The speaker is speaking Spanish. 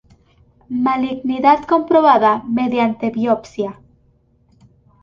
Malignidad comprobada mediante biopsia.